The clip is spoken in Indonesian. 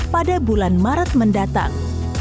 pada bulan maret mendatang